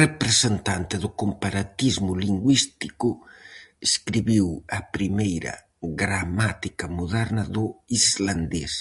Representante do comparatismo lingüístico, escribiu a primeira gramática moderna do islandés.